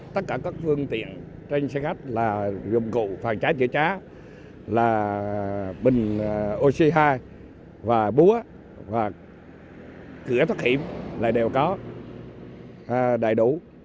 tất cả các phương tiện trên xe khách là dụng cụ phản trái chữa chá là bình oxy hai và búa và cửa thoát hiểm lại đều có đầy đủ